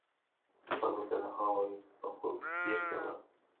خلګو ته د هغوی حقوق بېرته ورکړئ.